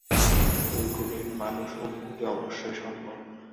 ঐগুলির মানস অনুভূতি অবশ্যই সম্ভব।